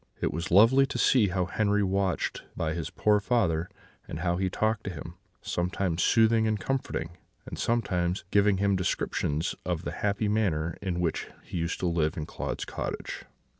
It was lovely to see how Henri watched by his poor father, and how he talked to him, sometimes soothing and comforting, and sometimes giving him descriptions of the happy manner in which he used to live in Claude's cottage.